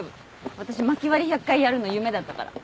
私まき割り１００回やるの夢だったから。